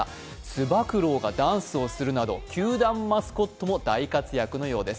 つば九郎がダンスするなど球団マスコットも大活躍のようです。